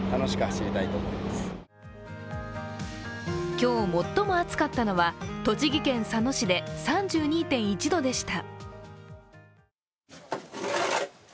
今日最も暑かったのは栃木県佐野市で３２．１度でした。